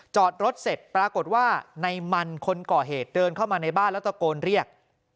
จอดรถเสร็จปรากฏว่าในมันคนก่อเหตุเดินเข้ามาในบ้านแล้วตะโกนเรียก